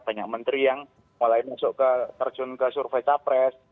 banyak menteri yang mulai masuk ke terjun ke survei capres